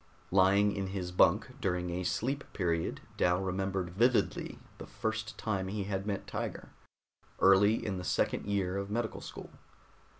Lying in his bunk during a sleep period, Dal remembered vividly the first time he had met Tiger, early in the second year of medical school.